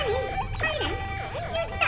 サイレン？緊急事態？